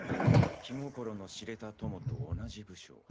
気心の知れた友と同じ部署。